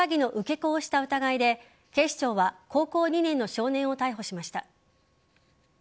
子をした疑いで警視庁は高校２年の少年を逮捕しました。